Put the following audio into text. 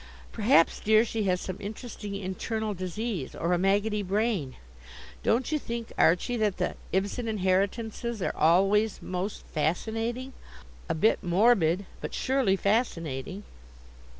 Perhaps, dear, she has some interesting internal disease, or a maggoty brain. Don't you think, Archie, that the Ibsen inheritances are always most fascinating? A bit morbid, but surely fascinating."